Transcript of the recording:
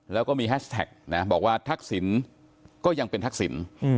แล้วก็มีแฮชแท็กนะบอกว่าทักษิณก็ยังเป็นทักษิณ